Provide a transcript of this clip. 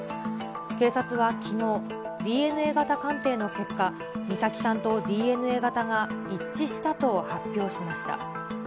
警察はきのう、ＤＮＡ型鑑定の結果、美咲さんとＤＮＡ型が一致したと発表しました。